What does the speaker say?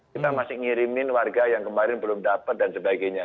kita masih ngirimin warga yang kemarin belum dapat dan sebagainya